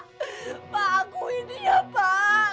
pak aku ini ya pak